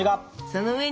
その上に。